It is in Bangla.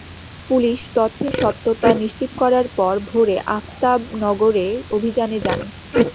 পুলিশ তথ্যের সত্যতা নিশ্চিত করার পর ভোরে আফতাব নগরে অভিযানে যান।